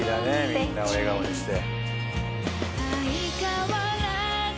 みんなを笑顔にして。